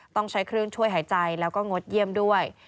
ต้องใช้เครื่องช่วยหายใจแล้วก็งดเยี่ยมด้วย